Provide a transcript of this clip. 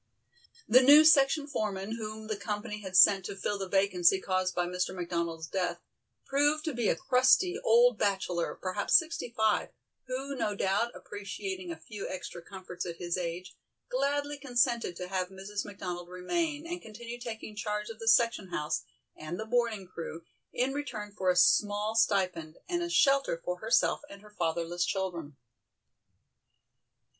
The new section foreman, whom the company had sent to fill the vacancy caused by Mr. McDonald's death, proved to be a crusty, old bachelor of perhaps sixty five who no doubt appreciating a few extra comforts at his age, gladly consented to have Mrs. McDonald remain and continue taking charge of the section house, and the boarding crew, in return for a small stipend and a shelter for herself and her fatherless children.